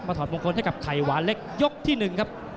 ถอดมงคลให้กับไข่หวานเล็กยกที่๑ครับ